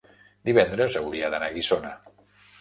divendres hauria d'anar a Guissona.